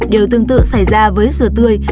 điều tương tự xảy ra với dừa tươi